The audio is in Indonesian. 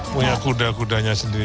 punya kuda kudanya sendiri